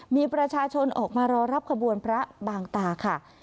มีประชาชนออกมารอรับขบวนพระบางตาค่ะ